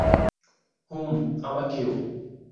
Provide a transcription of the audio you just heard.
হুম, আমাকেও।